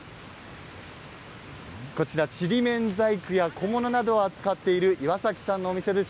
ちりめん細工や小物などを扱っている岩崎さんのお店です。